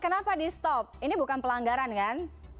kenapa di stop ini bukan pelanggaran kan